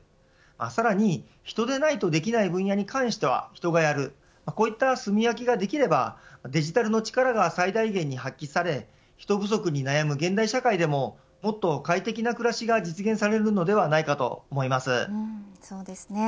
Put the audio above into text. さらに、人でないとできない分野に関しては人がやるこういったすみ分けができればデジタルの力が最低限最大限に発揮され人不足に悩む現代社会でももっと快適な暮らしが実現するのではないかとそうですね。